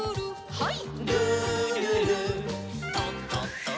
はい。